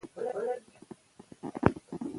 دا زموږ د بدن یوه برخه ده.